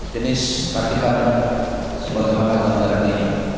jenis partifan sebuah tempat yang terjadi